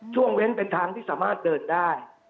เว้นเป็นทางที่สามารถเดินได้